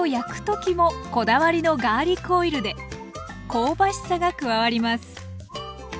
香ばしさが加わります。